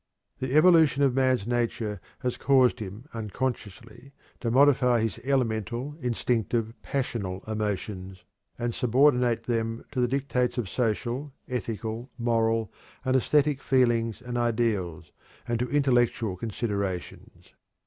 The evolution of man's nature has caused him unconsciously to modify his elemental, instinctive, passional emotions, and subordinate them to the dictates of social, ethical, moral, and æsthetic feelings and ideals, and to intellectual considerations.